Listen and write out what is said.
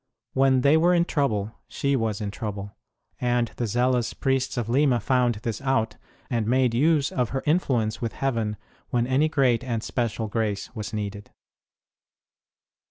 When they were in trouble, she was in trouble ; and the zealous priests of Lima found this out, and made use of her influence with Heaven when any great and special grace was needed.